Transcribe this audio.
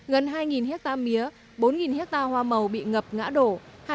gần hai hectare mía bốn hectare hoa màu bị ngập ngã đổ